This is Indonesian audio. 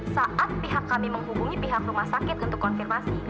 saat pihak kami menghubungi pihak rumah sakit untuk konfirmasi